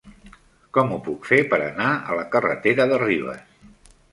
Com ho puc fer per anar a la carretera de Ribes?